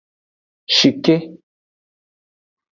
Shike.